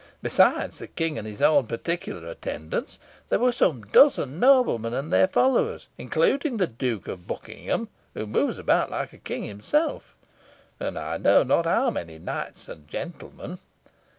Besides the King and his own particular attendants, there were some dozen noblemen and their followers, including the Duke of Buckingham, who moves about like a king himself, and I know not how many knights and gentlemen.